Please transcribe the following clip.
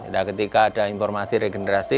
nah ketika ada informasi regenerasi